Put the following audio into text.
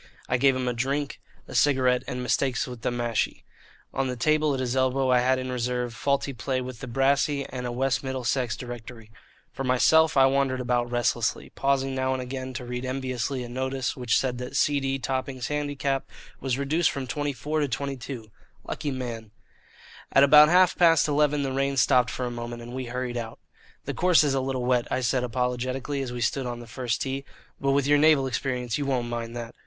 I gave him a drink, a cigarette, and Mistakes with the Mashie. On the table at his elbow I had in reserve Faulty Play with the Brassy and a West Middlesex Directory. For myself I wandered about restlessly, pausing now and again to read enviously a notice which said that C. D. Topping's handicap was reduced from 24 to 22. Lucky man! At about half past eleven the rain stopped for a moment, and we hurried out. "The course is a little wet," I said apologetically, as we stood on the first tee, "but with your naval experience you won't mind that.